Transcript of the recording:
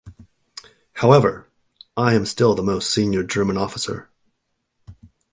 However, I am still the most senior German officer.